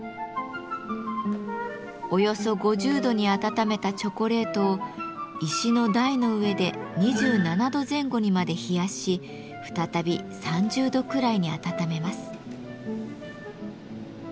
およそ５０度に温めたチョコレートを石の台の上で２７度前後にまで冷やし再び３０度くらいに温めます。